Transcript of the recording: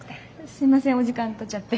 すいませんお時間とっちゃって。